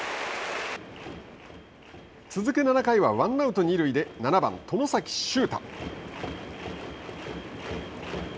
続く７回はワンアウト、二塁で７番外崎修汰。